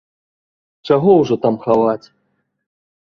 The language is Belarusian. Чаго ўжо там хаваць.